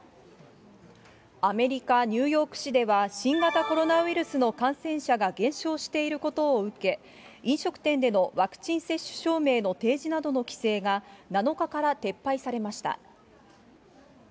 アメリカ・ニューヨーク市では新型コロナウイルスの感染者が減少していることを受け、飲食店でのワクチン接種証明などの提示などの規制が、７日から撤廃されました。